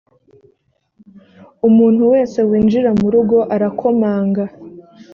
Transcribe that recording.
umuntu wese winjira mu rugo arakomanga.